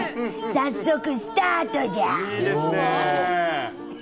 早速スタートじゃ。